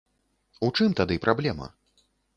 У чым тады праблема?